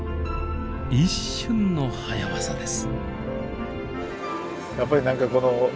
一瞬の早ワザです。